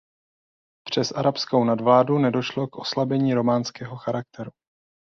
I přes arabskou nadvládu nedošlo k oslabení románského charakteru.